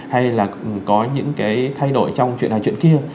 hay là có những cái thay đổi trong chuyện hàng chuyện kia